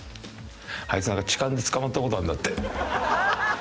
あいつなんか痴漢で捕まった事あるんだって。